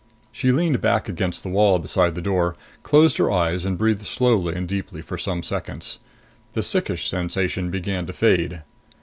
She leaned back against the wall beside the door, closed her eyes and breathed slowly and deeply for some seconds. The sickish sensation began to fade.